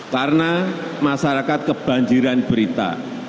karena masyarakat kebanjiran berita